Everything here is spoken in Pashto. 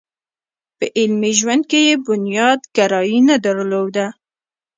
په عملي ژوند کې یې بنياد ګرايي نه درلوده.